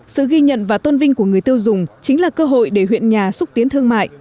sự ghi nhận và tôn vinh của người tiêu dùng chính là cơ hội để huyện nhà xúc tiến thương mại